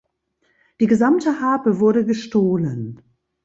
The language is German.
Die gesamte Habe wurde gestohlen.